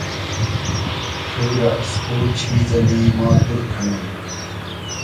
تو رۂ از خو چیز اللی ما دور کئنوم